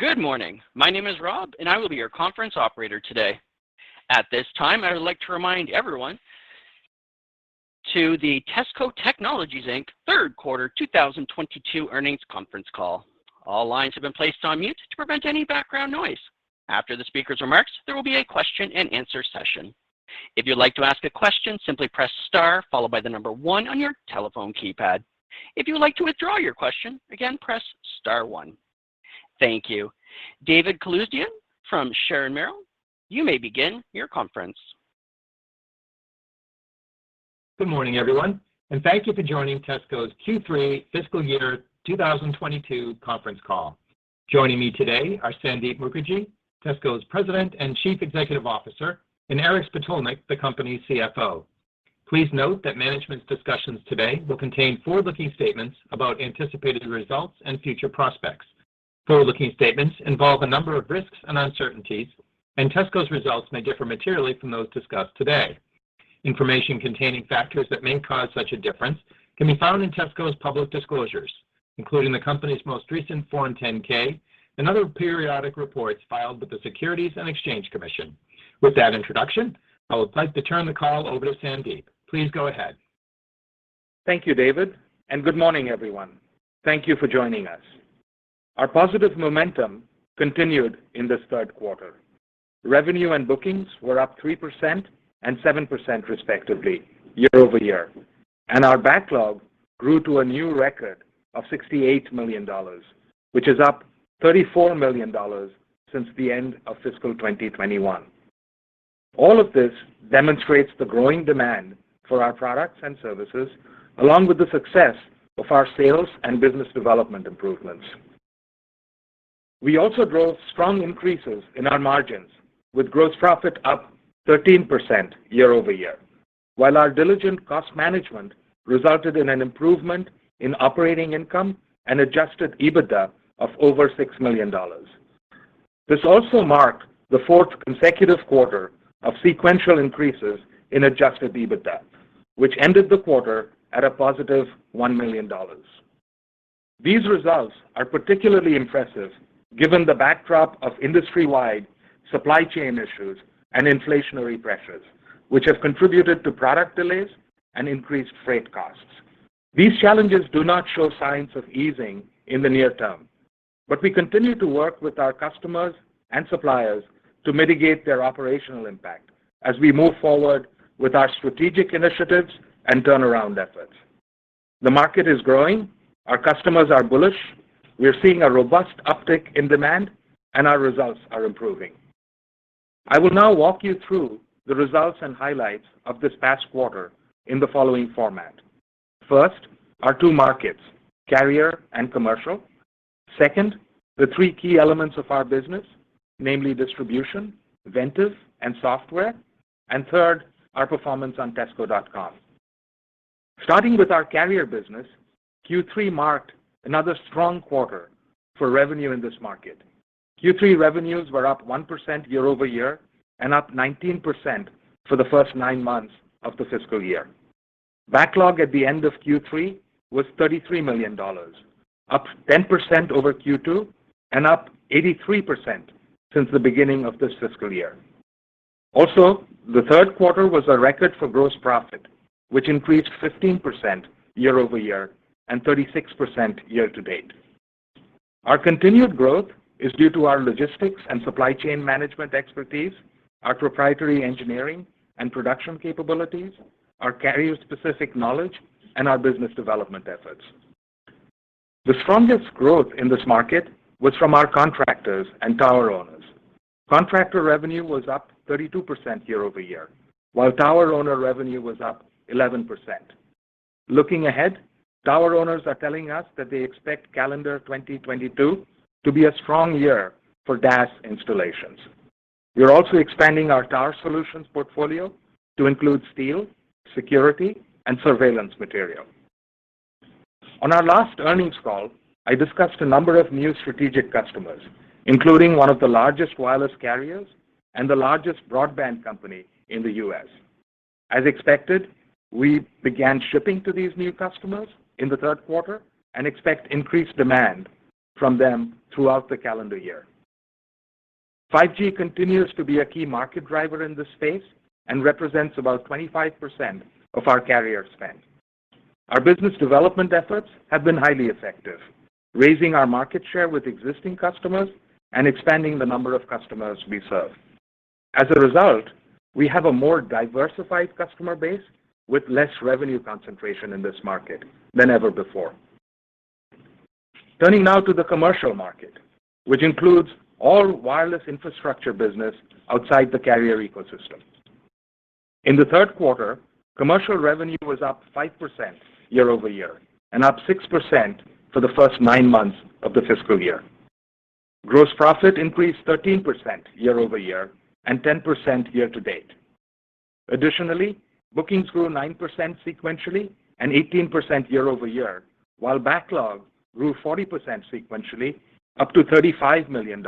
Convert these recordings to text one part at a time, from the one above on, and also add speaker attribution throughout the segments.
Speaker 1: Good morning. My name is Rob, and I will be your conference operator today. At this time, I would like to remind everyone to the TESSCO Technologies Inc. third quarter 2022 earnings conference call. All lines have been placed on mute to prevent any background noise. After the speaker's remarks, there will be a question and answer session. If you'd like to ask a question, simply press star followed by the number one on your telephone keypad. If you would like to withdraw your question, again, press star one. Thank you. David Calusdian from Sharon Merrill, you may begin your conference.
Speaker 2: Good morning, everyone, and thank you for joining TESSCO's Q3 fiscal year 2022 conference call. Joining me today are Sandeep Mukherjee, TESSCO's President and Chief Executive Officer, and Aric Spitulnik, the company's CFO. Please note that management's discussions today will contain forward-looking statements about anticipated results and future prospects. Forward-looking statements involve a number of risks and uncertainties, and TESSCO's results may differ materially from those discussed today. Information containing factors that may cause such a difference can be found in TESSCO's public disclosures, including the company's most recent Form 10-K and other periodic reports filed with the Securities and Exchange Commission. With that introduction, I would like to turn the call over to Sandeep. Please go ahead.
Speaker 3: Thank you, David, and good morning, everyone. Thank you for joining us. Our positive momentum continued in this third quarter. Revenue and bookings were up 3% and 7% respectively year over year, and our backlog grew to a new record of $68 million, which is up $34 million since the end of fiscal 2021. All of this demonstrates the growing demand for our products and services, along with the success of our sales and business development improvements. We also drove strong increases in our margins with gross profit up 13% year over year, while our diligent cost management resulted in an improvement in operating income and adjusted EBITDA of over $6 million. This also marked the fourth consecutive quarter of sequential increases in adjusted EBITDA, which ended the quarter at a positive $1 million. These results are particularly impressive given the backdrop of industry-wide supply chain issues and inflationary pressures, which have contributed to product delays and increased freight costs. These challenges do not show signs of easing in the near term, but we continue to work with our customers and suppliers to mitigate their operational impact as we move forward with our strategic initiatives and turnaround efforts. The market is growing, our customers are bullish, we're seeing a robust uptick in demand, and our results are improving. I will now walk you through the results and highlights of this past quarter in the following format. First, our two markets, carrier and commercial. Second, the three key elements of our business, namely distribution, Ventev, and software. Third, our performance on tessco.com. Starting with our carrier business, Q3 marked another strong quarter for revenue in this market. Q3 revenues were up 1% year-over-year and up 19% for the first nine months of the fiscal year. Backlog at the end of Q3 was $33 million, up 10% over Q2 and up 83% since the beginning of this fiscal year. Also, the third quarter was a record for gross profit, which increased 15% year-over-year and 36% year to date. Our continued growth is due to our logistics and supply chain management expertise, our proprietary engineering and production capabilities, our carrier-specific knowledge, and our business development efforts. The strongest growth in this market was from our contractors and tower owners. Contractor revenue was up 32% year-over-year, while tower owner revenue was up 11%. Looking ahead, tower owners are telling us that they expect calendar 2022 to be a strong year for DAS installations. We are also expanding our tower solutions portfolio to include steel, security, and surveillance material. On our last earnings call, I discussed a number of new strategic customers, including one of the largest wireless carriers and the largest broadband company in the U.S. As expected, we began shipping to these new customers in the third quarter and expect increased demand from them throughout the calendar year. 5G continues to be a key market driver in this space and represents about 25% of our carrier spend. Our business development efforts have been highly effective, raising our market share with existing customers and expanding the number of customers we serve. As a result, we have a more diversified customer base with less revenue concentration in this market than ever before. Turning now to the commercial market, which includes all wireless infrastructure business outside the carrier ecosystem. In the third quarter, commercial revenue was up 5% year over year and up 6% for the first nine months of the fiscal year. Gross profit increased 13% year over year and 10% year to date. Additionally, bookings grew 9% sequentially and 18% year over year, while backlog grew 40% sequentially up to $35 million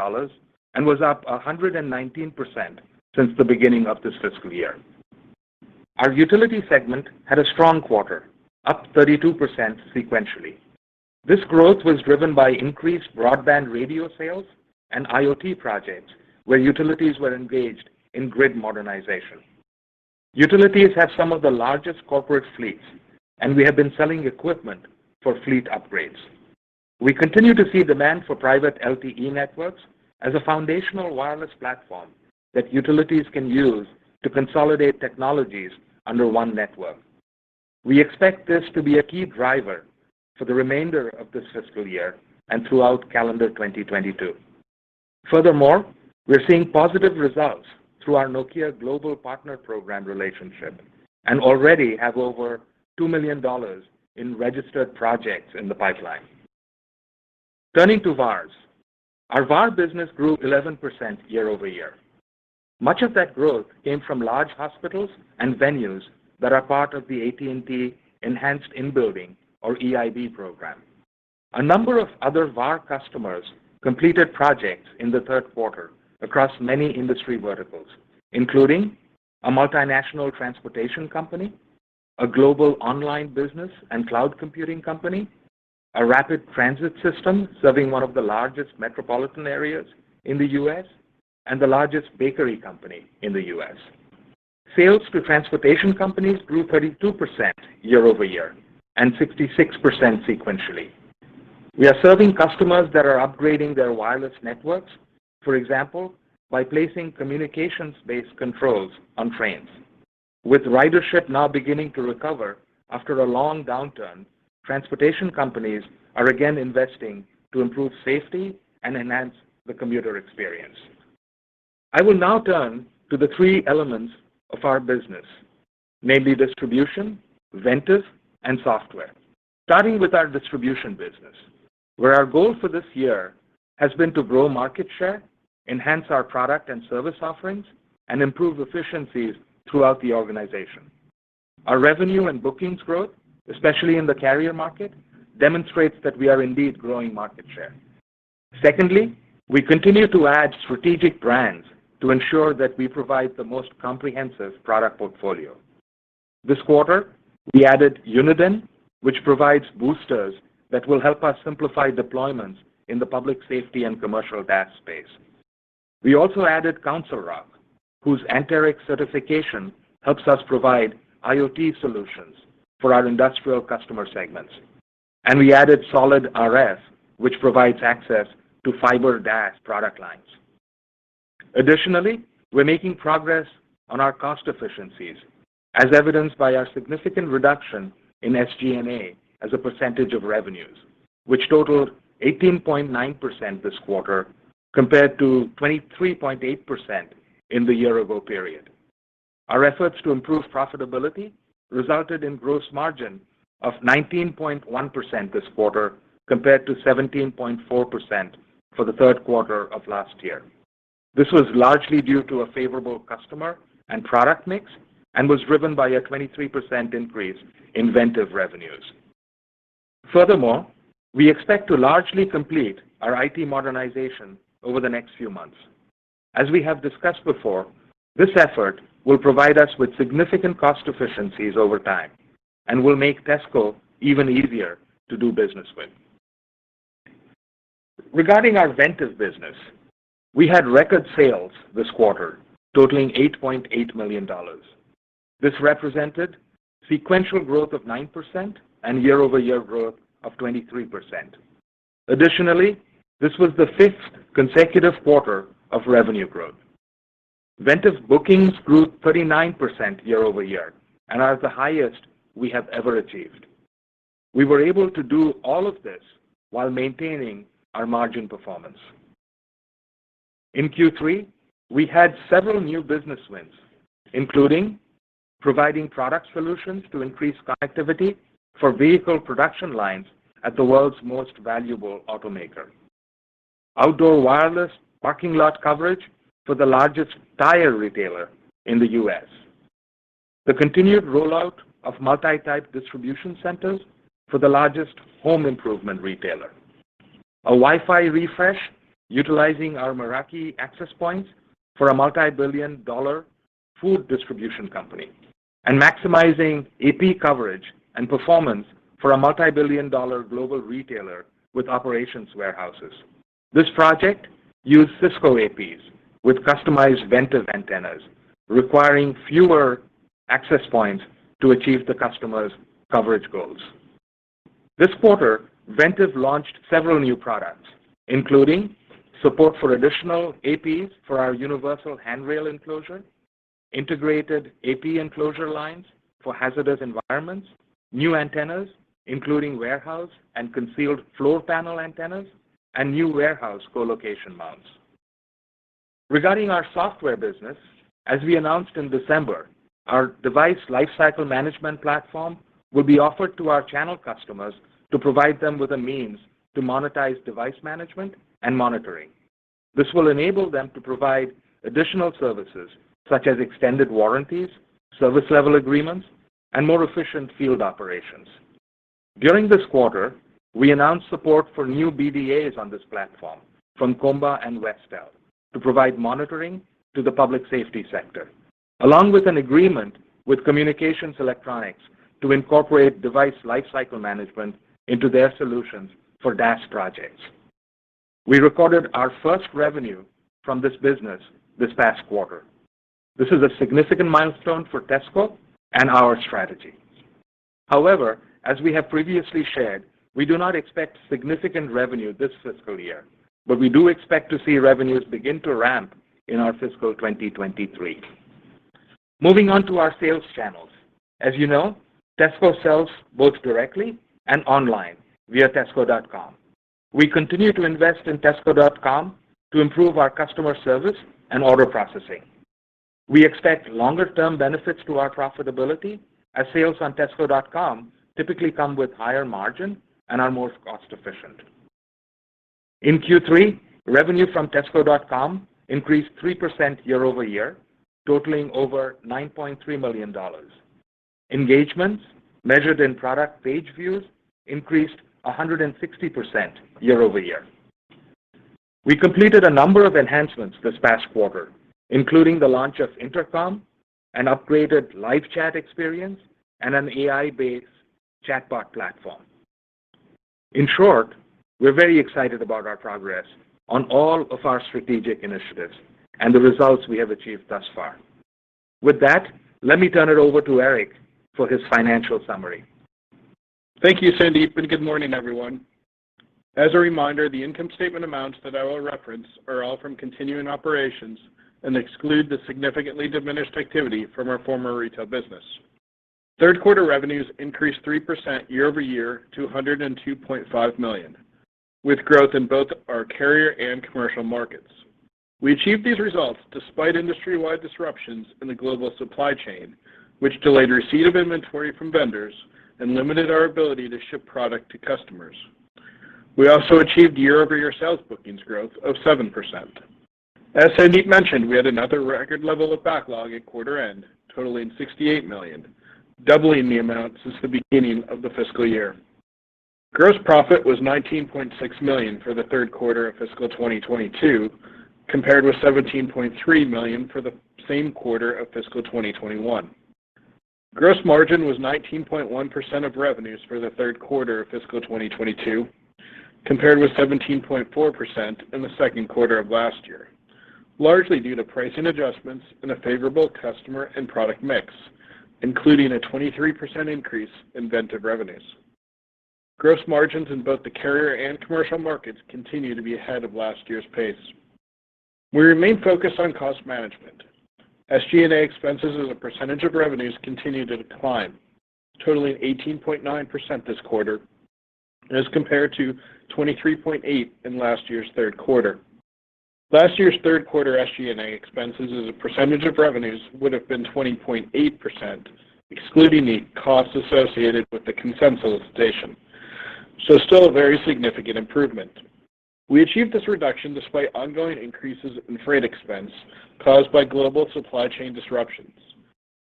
Speaker 3: and was up 119% since the beginning of this fiscal year. Our utility segment had a strong quarter, up 32% sequentially. This growth was driven by increased broadband radio sales and IoT projects where utilities were engaged in grid modernization. Utilities have some of the largest corporate fleets, and we have been selling equipment for fleet upgrades. We continue to see demand for private LTE networks as a foundational wireless platform that utilities can use to consolidate technologies under one network. We expect this to be a key driver for the remainder of this fiscal year and throughout calendar 2022. Furthermore, we're seeing positive results through our Nokia Global Partner Program relationship and already have over $2 million in registered projects in the pipeline. Turning to VARs. Our VAR business grew 11% year-over-year. Much of that growth came from large hospitals and venues that are part of the AT&T Enhanced In Building or EIB program. A number of other VAR customers completed projects in the third quarter across many industry verticals, including a multinational transportation company, a global online business and cloud computing company, a rapid transit system serving one of the largest metropolitan areas in the U.S., and the largest bakery company in the U.S. Sales to transportation companies grew 32% year-over-year and 66% sequentially. We are serving customers that are upgrading their wireless networks, for example, by placing communications-based controls on trains. With ridership now beginning to recover after a long downturn, transportation companies are again investing to improve safety and enhance the commuter experience. I will now turn to the three elements of our business, namely distribution, Ventev, and software. Starting with our distribution business, where our goal for this year has been to grow market share, enhance our product and service offerings, and improve efficiencies throughout the organization. Our revenue and bookings growth, especially in the carrier market, demonstrates that we are indeed growing market share. Secondly, we continue to add strategic brands to ensure that we provide the most comprehensive product portfolio. This quarter, we added Uniden, which provides boosters that will help us simplify deployments in the public safety and commercial DAS space. We also added Council Rock, whose Anterix certification helps us provide IoT solutions for our industrial customer segments. We added SOLiD Ares, which provides access to fiber DAS product lines. Additionally, we're making progress on our cost efficiencies as evidenced by our significant reduction in SG&A as a percentage of revenues, which totaled 18.9% this quarter compared to 23.8% in the year ago period. Our efforts to improve profitability resulted in gross margin of 19.1% this quarter compared to 17.4% for the third quarter of last year. This was largely due to a favorable customer and product mix and was driven by a 23% increase in Ventev revenues. Furthermore, we expect to largely complete our IT modernization over the next few months. As we have discussed before, this effort will provide us with significant cost efficiencies over time and will make TESSCO even easier to do business with. Regarding our Ventev business, we had record sales this quarter totaling $8.8 million. This represented sequential growth of 9% and year-over-year growth of 23%. Additionally, this was the fifth consecutive quarter of revenue growth. Ventev bookings grew 39% year-over-year and are the highest we have ever achieved. We were able to do all of this while maintaining our margin performance. In Q3, we had several new business wins, including providing product solutions to increase connectivity for vehicle production lines at the world's most valuable automaker, outdoor wireless parking lot coverage for the largest tire retailer in the U.S., the continued rollout of multi-type distribution centers for the largest home improvement retailer, a Wi-Fi refresh utilizing our Meraki access points for a multi-billion dollar food distribution company, and maximizing AP coverage and performance for a multi-billion dollar global retailer with operations warehouses. This project used Cisco APs with customized Ventev antennas, requiring fewer access points to achieve the customer's coverage goals. This quarter, Ventev launched several new products, including support for additional APs for our universal handrail enclosure, integrated AP enclosure lines for hazardous environments, new antennas, including warehouse and concealed floor panel antennas, and new warehouse co-location mounts. Regarding our software business, as we announced in December, our device lifecycle management platform will be offered to our channel customers to provide them with a means to monetize device management and monitoring. This will enable them to provide additional services such as extended warranties, service level agreements, and more efficient field operations. During this quarter, we announced support for new BDAs on this platform from Comba and Westell to provide monitoring to the public safety sector, along with an agreement with Communications Electronics to incorporate device lifecycle management into their solutions for DAS projects. We recorded our first revenue from this business this past quarter. This is a significant milestone for TESSCO and our strategy. However, as we have previously shared, we do not expect significant revenue this fiscal year, but we do expect to see revenues begin to ramp in our fiscal 2023. Moving on to our sales channels. As you know, TESSCO sells both directly and online via tessco.com. We continue to invest in tessco.com to improve our customer service and order processing. We expect longer-term benefits to our profitability as sales on tessco.com typically come with higher margin and are more cost efficient. In Q3, revenue from tessco.com increased 3% year-over-year, totaling over $9.3 million. Engagements, measured in product page views, increased 160% year-over-year. We completed a number of enhancements this past quarter, including the launch of Intercom, an upgraded live chat experience, and an AI-based chatbot platform. In short, we're very excited about our progress on all of our strategic initiatives and the results we have achieved thus far. With that, let me turn it over to Aric for his financial summary.
Speaker 4: Thank you, Sandeep, and good morning, everyone. As a reminder, the income statement amounts that I will reference are all from continuing operations and exclude the significantly diminished activity from our former retail business. Third quarter revenues increased 3% year-over-year to $102.5 million, with growth in both our carrier and commercial markets. We achieved these results despite industry-wide disruptions in the global supply chain, which delayed receipt of inventory from vendors and limited our ability to ship product to customers. We also achieved year-over-year sales bookings growth of 7%. As Sandeep mentioned, we had another record level of backlog at quarter end, totaling $68 million, doubling the amount since the beginning of the fiscal year. Gross profit was $19.6 million for the third quarter of fiscal 2022, compared with $17.3 million for the same quarter of fiscal 2021. Gross margin was 19.1% of revenues for the third quarter of fiscal 2022, compared with 17.4% in the second quarter of last year, largely due to pricing adjustments and a favorable customer and product mix, including a 23% increase in Ventev revenues. Gross margins in both the carrier and commercial markets continue to be ahead of last year's pace. We remain focused on cost management. SG&A expenses as a percentage of revenues continue to decline, totaling 18.9% this quarter as compared to 23.8% in last year's third quarter. Last year's third quarter SG&A expenses as a percentage of revenues would have been 20.8%, excluding the costs associated with the consent solicitation. Still a very significant improvement. We achieved this reduction despite ongoing increases in freight expense caused by global supply chain disruptions.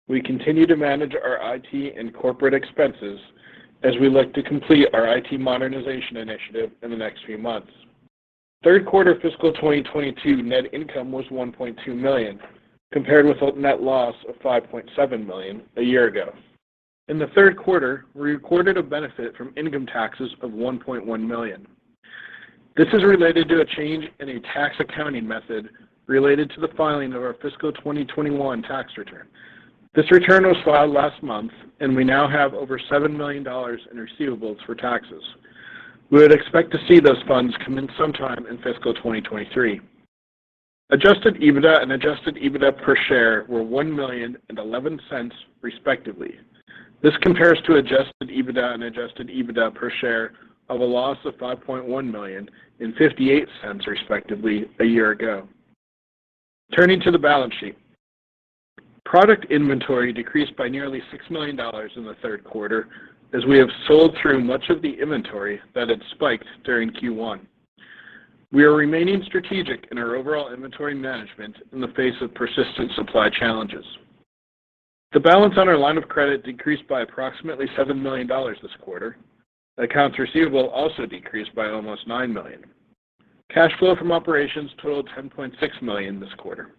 Speaker 4: We continue to manage our IT and corporate expenses as we look to complete our IT modernization initiative in the next few months. Third quarter fiscal 2022 net income was $1.2 million, compared with a net loss of $5.7 million a year ago. In the third quarter, we recorded a benefit from income taxes of $1.1 million. This is related to a change in a tax accounting method related to the filing of our fiscal 2021 tax return. This return was filed last month, and we now have over $7 million in receivables for taxes. We would expect to see those funds come in sometime in fiscal 2023. Adjusted EBITDA and adjusted EBITDA per share were $1 million and 11 cents, respectively. This compares to adjusted EBITDA and adjusted EBITDA per share of a loss of $5.1 million and 58 cents, respectively, a year ago. Turning to the balance sheet. Product inventory decreased by nearly $6 million in the third quarter as we have sold through much of the inventory that had spiked during Q1. We are remaining strategic in our overall inventory management in the face of persistent supply challenges. The balance on our line of credit decreased by approximately $7 million this quarter. Accounts receivable also decreased by almost $9 million. Cash flow from operations totaled $10.6 million this quarter.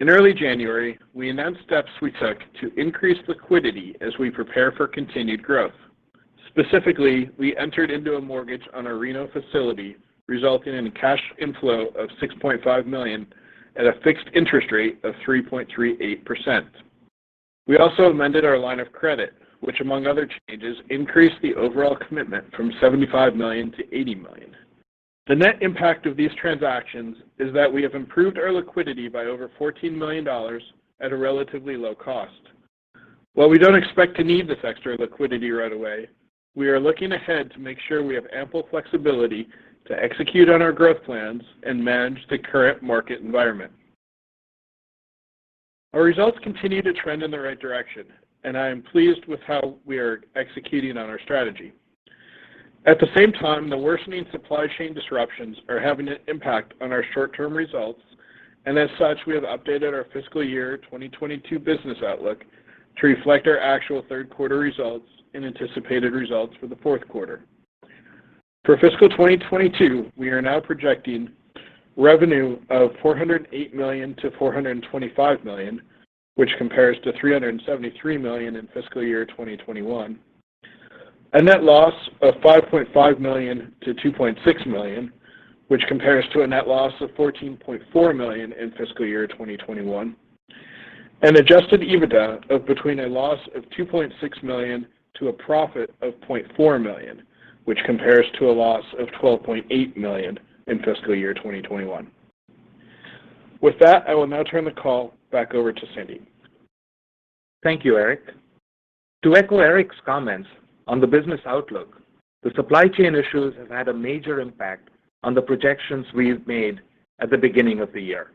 Speaker 4: In early January, we announced steps we took to increase liquidity as we prepare for continued growth. Specifically, we entered into a mortgage on our Reno facility, resulting in a cash inflow of $6.5 million at a fixed interest rate of 3.38%. We also amended our line of credit, which among other changes, increased the overall commitment from $75 million to $80 million. The net impact of these transactions is that we have improved our liquidity by over $14 million at a relatively low cost. While we don't expect to need this extra liquidity right away, we are looking ahead to make sure we have ample flexibility to execute on our growth plans and manage the current market environment. Our results continue to trend in the right direction, and I am pleased with how we are executing on our strategy. At the same time, the worsening supply chain disruptions are having an impact on our short-term results. As such, we have updated our fiscal year 2022 business outlook to reflect our actual third quarter results and anticipated results for the fourth quarter. For fiscal 2022, we are now projecting revenue of $408 million-$425 million, which compares to $373 million in fiscal year 2021. A net loss of $5.5 million-$2.6 million, which compares to a net loss of $14.4 million in fiscal year 2021, and adjusted EBITDA of between a loss of $2.6 million to a profit of $0.4 million, which compares to a loss of $12.8 million in fiscal year 2021. With that, I will now turn the call back over to Sandeep.
Speaker 3: Thank you, Aric. To echo Aric's comments on the business outlook, the supply chain issues have had a major impact on the projections we've made at the beginning of the year.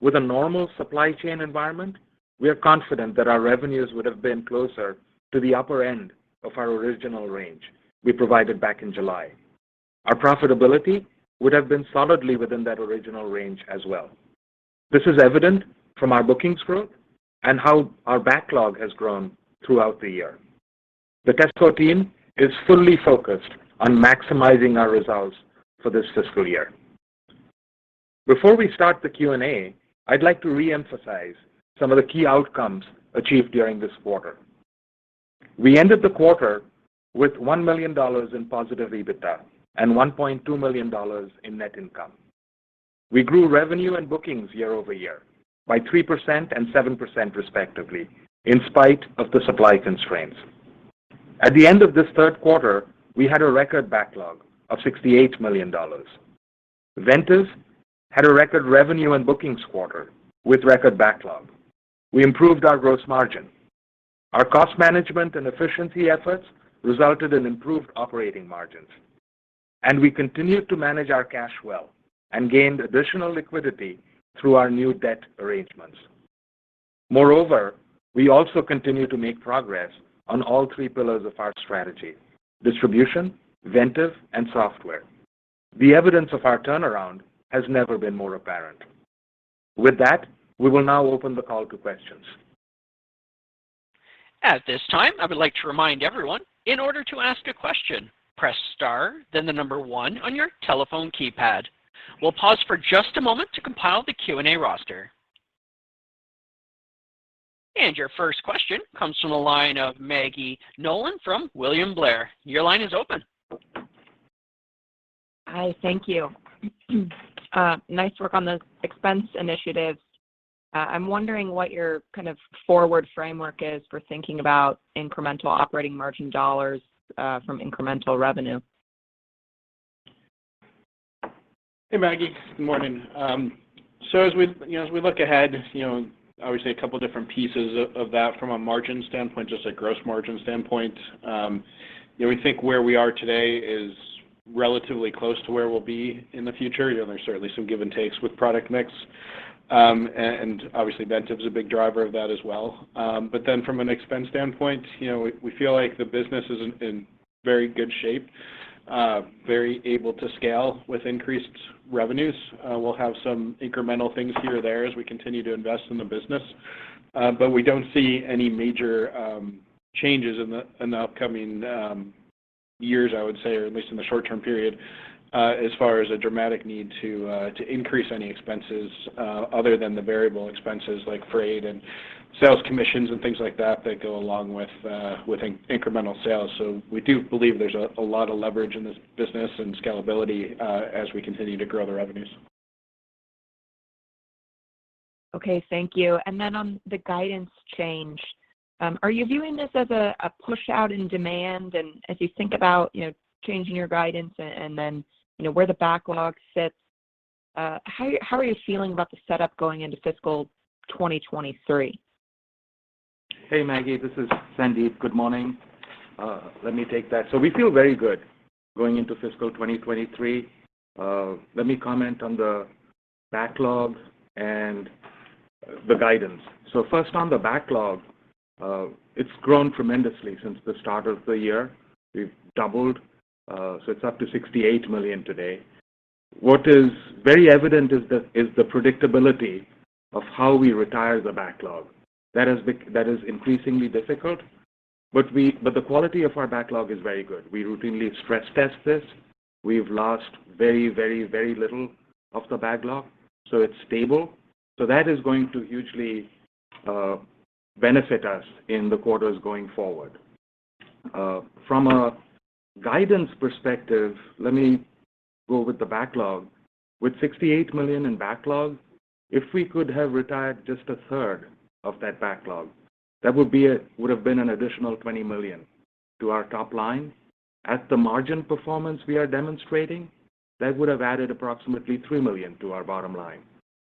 Speaker 3: With a normal supply chain environment, we are confident that our revenues would have been closer to the upper end of our original range we provided back in July. Our profitability would have been solidly within that original range as well. This is evident from our bookings growth and how our backlog has grown throughout the year. The TESSCO team is fully focused on maximizing our results for this fiscal year. Before we start the Q&A, I'd like to re-emphasize some of the key outcomes achieved during this quarter. We ended the quarter with $1 million in positive EBITDA and $1.2 million in net income. We grew revenue and bookings year-over-year by 3% and 7% respectively, in spite of the supply constraints. At the end of this third quarter, we had a record backlog of $68 million. Ventev had a record revenue and bookings quarter with record backlog. We improved our gross margin. Our cost management and efficiency efforts resulted in improved operating margins, and we continued to manage our cash well and gained additional liquidity through our new debt arrangements. Moreover, we also continue to make progress on all three pillars of our strategy, distribution, Ventev, and software. The evidence of our turnaround has never been more apparent. With that, we will now open the call to questions.
Speaker 1: At this time, I would like to remind everyone, in order to ask a question, press star, then the number one on your telephone keypad. We'll pause for just a moment to compile the Q&A roster. Your first question comes from the line of Maggie Nolan from William Blair. Your line is open.
Speaker 5: Hi, thank you. Nice work on the expense initiatives. I'm wondering what your kind of forward framework is for thinking about incremental operating margin dollars from incremental revenue.
Speaker 4: Hey, Maggie. Good morning. As we look ahead, you know, obviously a couple of different pieces of that from a margin standpoint, just a gross margin standpoint. You know, we think where we are today is relatively close to where we'll be in the future. You know, there's certainly some give and takes with product mix, and obviously Ventev is a big driver of that as well. Then from an expense standpoint, you know, we feel like the business is in very good shape, very able to scale with increased revenues. We'll have some incremental things here or there as we continue to invest in the business, but we don't see any major changes in the upcoming years, I would say, or at least in the short-term period, as far as a dramatic need to increase any expenses, other than the variable expenses like freight and sales commissions and things like that go along with incremental sales. We do believe there's a lot of leverage in this business and scalability, as we continue to grow the revenues.
Speaker 5: Okay. Thank you. Then on the guidance change, are you viewing this as a push-out in demand? As you think about, you know, changing your guidance and then, you know, where the backlog sits, how are you feeling about the setup going into fiscal 2023?
Speaker 3: Hey, Maggie. This is Sandeep. Good morning. Let me take that. We feel very good going into fiscal 2023. Let me comment on the backlog and the guidance. First on the backlog, it's grown tremendously since the start of the year. We've doubled, so it's up to $68 million today. What is very evident is the predictability of how we retire the backlog. That is increasingly difficult, but the quality of our backlog is very good. We routinely stress test this. We've lost very little of the backlog, so it's stable. That is going to hugely benefit us in the quarters going forward. From a guidance perspective, let me go with the backlog. With $68 million in backlog, if we could have retired just a third of that backlog, that would have been an additional $20 million to our top line. At the margin performance we are demonstrating, that would have added approximately $3 million to our bottom line,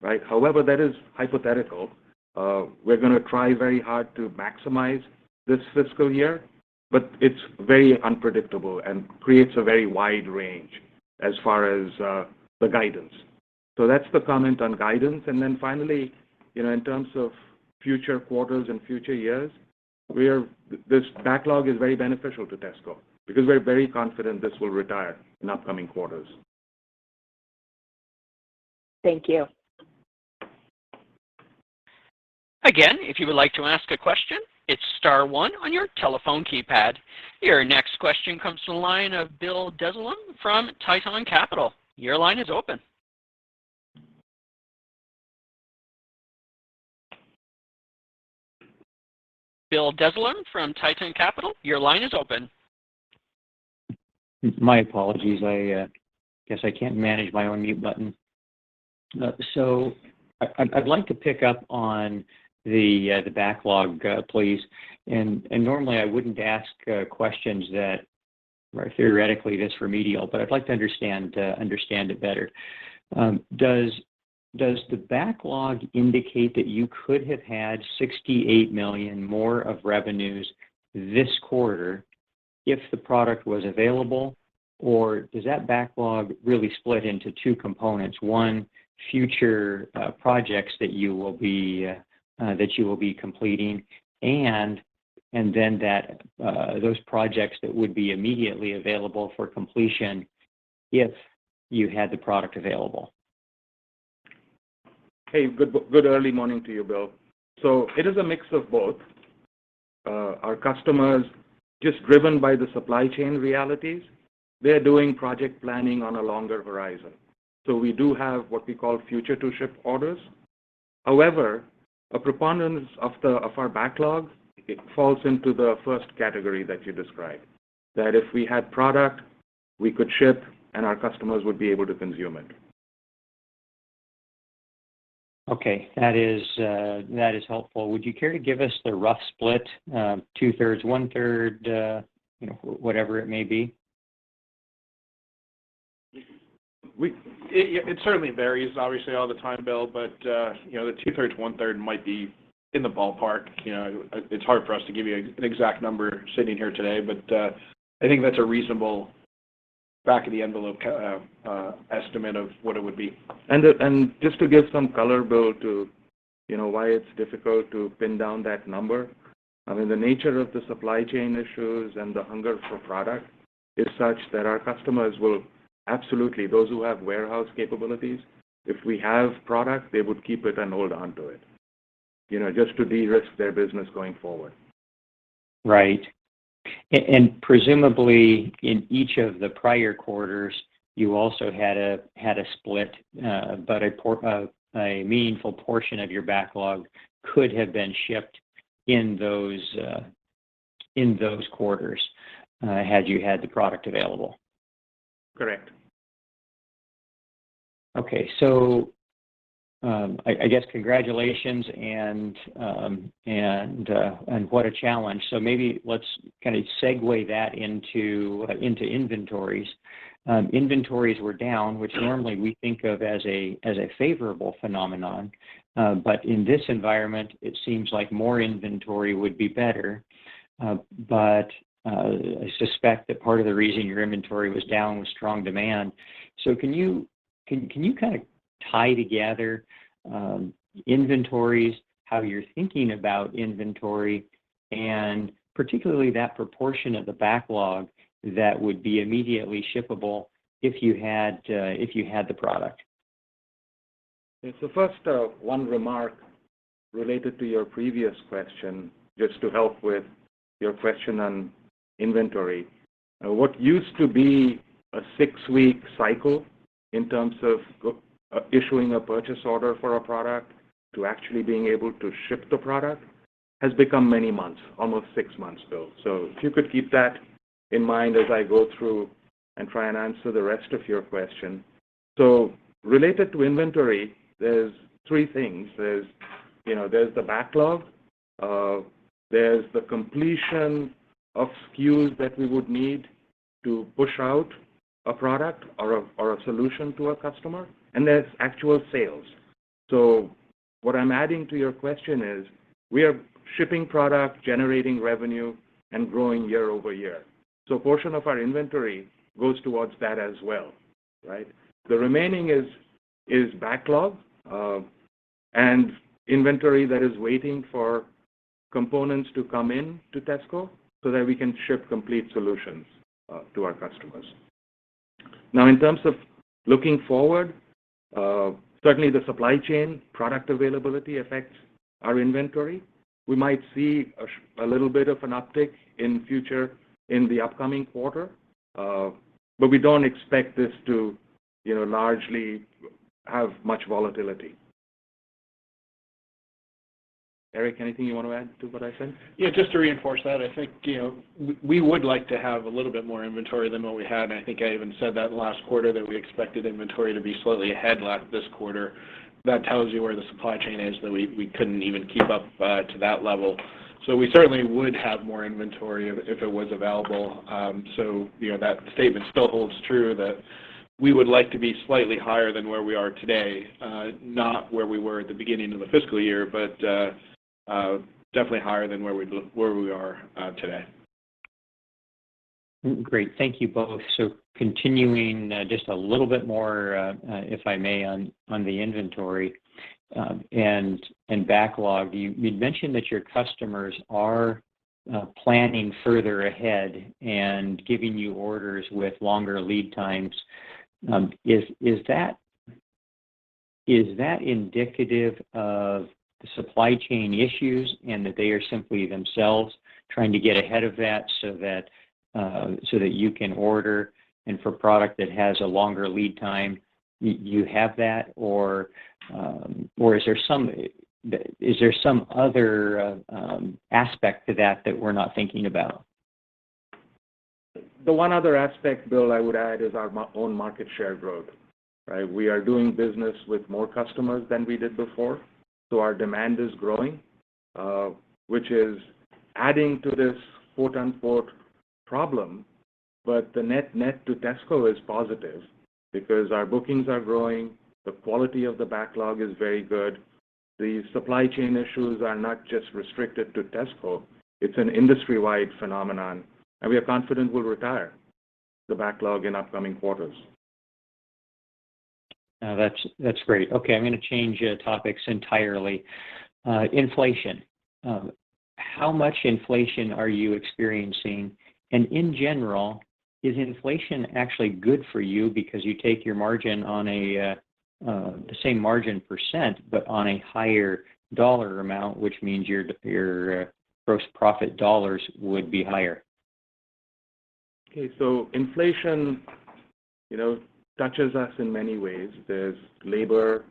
Speaker 3: right? However, that is hypothetical. We're gonna try very hard to maximize this fiscal year, but it's very unpredictable and creates a very wide range as far as the guidance. That's the comment on guidance. Then finally, you know, in terms of future quarters and future years, this backlog is very beneficial to TESSCO because we're very confident this will retire in upcoming quarters.
Speaker 5: Thank you.
Speaker 1: Again, if you would like to ask a question, it's star one on your telephone keypad. Your next question comes from the line of Bill Dezellem from Tieton Capital. Your line is open. Bill Dezellem from Tieton Capital, your line is open.
Speaker 6: My apologies. I guess I can't manage my own mute button. I'd like to pick up on the backlog, please. Normally I wouldn't ask questions that are theoretically this remedial, but I'd like to understand it better. Does the backlog indicate that you could have had $68 million more of revenues this quarter if the product was available? Or is that backlog really split into two components, one, future projects that you will be completing and then those projects that would be immediately available for completion if you had the product available?
Speaker 3: Hey, good early morning to you, Bill. It is a mix of both. Our customers, just driven by the supply chain realities, they're doing project planning on a longer horizon. We do have what we call future to ship orders. However, a preponderance of our backlog, it falls into the first category that you described, that if we had product, we could ship, and our customers would be able to consume it.
Speaker 6: Okay. That is helpful. Would you care to give us the rough split, two-thirds, one-third, you know, whatever it may be?
Speaker 3: It certainly varies obviously all the time, Bill, but you know, the two-thirds, one-third might be in the ballpark. You know, it's hard for us to give you an exact number sitting here today, but I think that's a reasonable back-of-the-envelope estimate of what it would be. Just to give some color, Bill, to, you know, why it's difficult to pin down that number. I mean, the nature of the supply chain issues and the hunger for product is such that our customers will absolutely, those who have warehouse capabilities, if we have product, they would keep it and hold on to it, you know, just to de-risk their business going forward.
Speaker 6: Right. Presumably in each of the prior quarters, you also had a split, but a meaningful portion of your backlog could have been shipped in those quarters, had you had the product available.
Speaker 3: Correct.
Speaker 6: Okay. I guess congratulations and what a challenge. Maybe let's kind of segue that into inventories. Inventories were down, which normally we think of as a favorable phenomenon. In this environment, it seems like more inventory would be better. I suspect that part of the reason your inventory was down was strong demand. Can you kind of tie together inventories, how you're thinking about inventory, and particularly that proportion of the backlog that would be immediately shippable if you had the product?
Speaker 3: First, one remark related to your previous question, just to help with your question on inventory. What used to be a six week cycle in terms of issuing a purchase order for a product to actually being able to ship the product has become many months, almost six months, Bill. If you could keep that in mind as I go through and try and answer the rest of your question. Related to inventory, there's three things. There's, you know, there's the backlog, there's the completion of SKUs that we would need to push out a product or a solution to a customer, and there's actual sales. What I'm adding to your question is we are shipping product, generating revenue, and growing year-over-year. A portion of our inventory goes towards that as well, right? The remaining is backlog and inventory that is waiting for components to come in to TESSCO so that we can ship complete solutions to our customers. Now, in terms of looking forward, certainly the supply chain product availability affects our inventory. We might see a little bit of an uptick in the future in the upcoming quarter, but we don't expect this to, you know, largely have much volatility. Aric, anything you want to add to what I said?
Speaker 4: Yeah, just to reinforce that, I think, you know, we would like to have a little bit more inventory than what we had, and I think I even said that last quarter, that we expected inventory to be slightly ahead this quarter. That tells you where the supply chain is, that we couldn't even keep up to that level. So we certainly would have more inventory if it was available. So, you know, that statement still holds true that we would like to be slightly higher than where we are today, not where we were at the beginning of the fiscal year, but definitely higher than where we are today.
Speaker 6: Great. Thank you both. Continuing, just a little bit more, if I may, on the inventory and backlog. You'd mentioned that your customers are planning further ahead and giving you orders with longer lead times. Is that indicative of the supply chain issues and that they are simply themselves trying to get ahead of that so that you can order? For product that has a longer lead time, you have that or is there some other aspect to that that we're not thinking about?
Speaker 3: The one other aspect, Bill, I would add is our own market share growth, right? We are doing business with more customers than we did before, so our demand is growing, which is adding to this quote-unquote, "problem." But the net-net to TESSCO is positive because our bookings are growing, the quality of the backlog is very good. The supply chain issues are not just restricted to TESSCO. It's an industry-wide phenomenon, and we are confident we'll retire the backlog in upcoming quarters.
Speaker 6: That's great. Okay, I'm gonna change topics entirely. Inflation. How much inflation are you experiencing? In general, is inflation actually good for you because you take your margin on a the same margin percent, but on a higher dollar amount, which means your gross profit dollars would be higher.
Speaker 3: Inflation, you know, touches us in many ways. There's labor,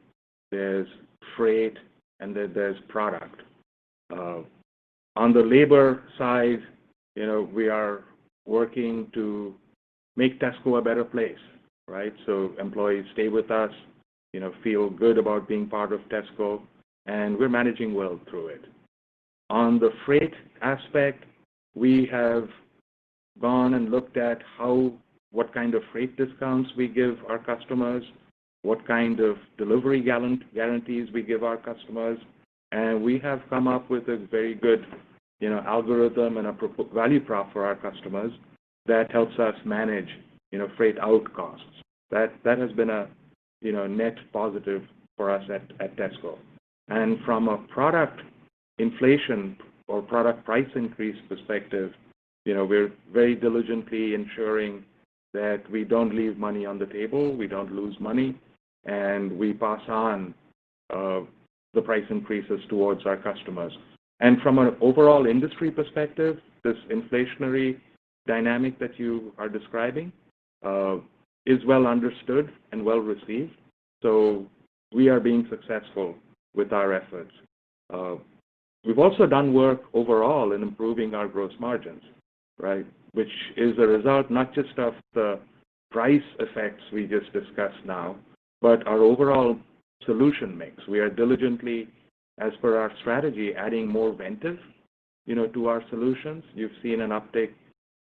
Speaker 3: there's freight, and there's product. On the labor side, you know, we are working to make TESSCO a better place, right? Employees stay with us, you know, feel good about being part of TESSCO, and we're managing well through it. On the freight aspect, we have gone and looked at what kind of freight discounts we give our customers, what kind of delivery guarantees we give our customers. We have come up with a very good, you know, algorithm and a value prop for our customers that helps us manage, you know, freight out costs. That has been a, you know, net positive for us at TESSCO. From a product inflation or product price increase perspective, you know, we're very diligently ensuring that we don't leave money on the table, we don't lose money, and we pass on the price increases towards our customers. From an overall industry perspective, this inflationary dynamic that you are describing is well understood and well received, so we are being successful with our efforts. We've also done work overall in improving our gross margins, right? Which is a result not just of the price effects we just discussed now, but our overall solution mix. We are diligently, as per our strategy, adding more Ventev, you know, to our solutions. You've seen an uptick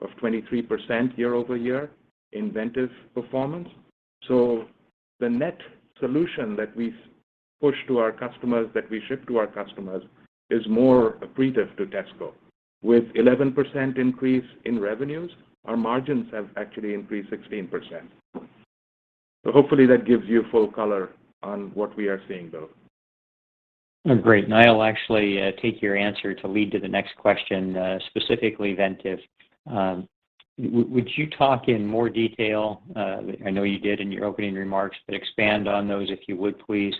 Speaker 3: of 23% year-over-year in Ventev performance. The net solution that we push to our customers, that we ship to our customers is more accretive to TESSCO. With 11% increase in revenues, our margins have actually increased 16%. Hopefully that gives you full color on what we are seeing, Bill.
Speaker 6: Great. I'll actually take your answer to lead to the next question, specifically Ventev. Would you talk in more detail, I know you did in your opening remarks, but expand on those, if you would, please,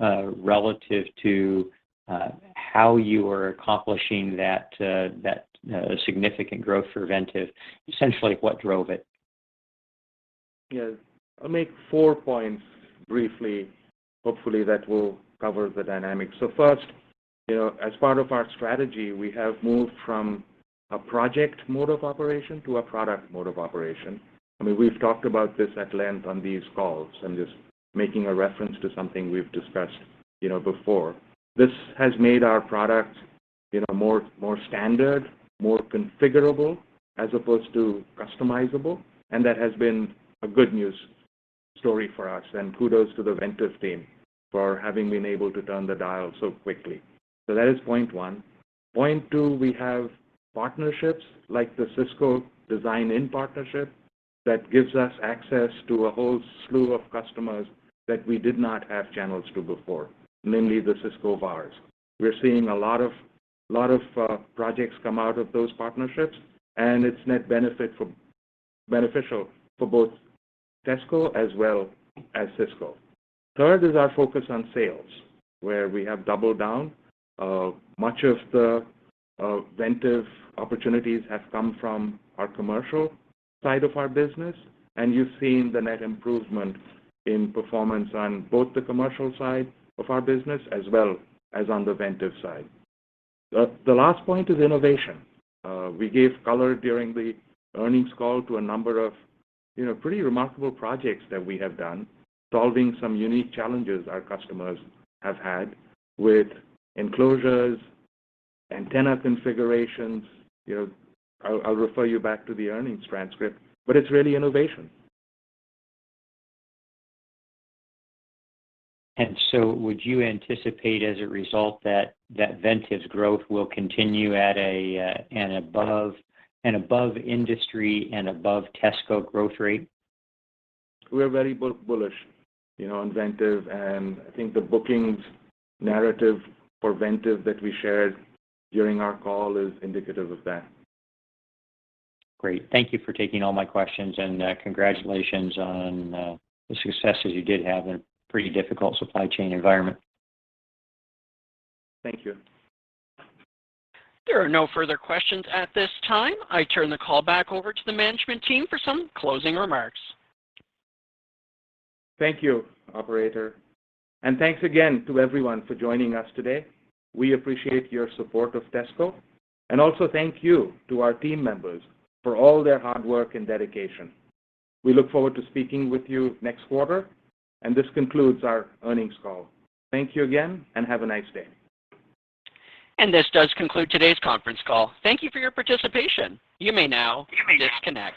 Speaker 6: relative to how you are accomplishing that significant growth for Ventev. Essentially, what drove it?
Speaker 3: Yes. I'll make four points briefly. Hopefully, that will cover the dynamics. First, you know, as part of our strategy, we have moved from a project mode of operation to a product mode of operation. I mean, we've talked about this at length on these calls. I'm just making a reference to something we've discussed, you know, before. This has made our product, you know, more standard, more configurable as opposed to customizable, and that has been a good news story for us. And kudos to the Ventev team for having been able to turn the dial so quickly. That is point one. Point two, we have partnerships like the Cisco design-in partnership that gives us access to a whole slew of customers that we did not have channels to before, namely the Cisco VARs. We're seeing a lot of projects come out of those partnerships, and it's beneficial for both TESSCO as well as Cisco. Third is our focus on sales, where we have doubled down. Much of the Ventev opportunities have come from our commercial side of our business, and you've seen the net improvement in performance on both the commercial side of our business as well as on the Ventev side. The last point is innovation. We gave color during the earnings call to a number of, you know, pretty remarkable projects that we have done, solving some unique challenges our customers have had with enclosures, antenna configurations. You know, I'll refer you back to the earnings transcript, but it's really innovation.
Speaker 6: Would you anticipate as a result that Ventev's growth will continue at an above industry and above TESSCO growth rate?
Speaker 3: We're very bullish, you know, on Ventev, and I think the bookings narrative for Ventev that we shared during our call is indicative of that.
Speaker 6: Great. Thank you for taking all my questions, and, congratulations on, the successes you did have in a pretty difficult supply chain environment.
Speaker 3: Thank you.
Speaker 1: There are no further questions at this time. I turn the call back over to the management team for some closing remarks.
Speaker 3: Thank you, operator, and thanks again to everyone for joining us today. We appreciate your support of TESSCO. Also thank you to our team members for all their hard work and dedication. We look forward to speaking with you next quarter, and this concludes our earnings call. Thank you again, and have a nice day.
Speaker 1: This does conclude today's conference call. Thank you for your participation. You may now disconnect.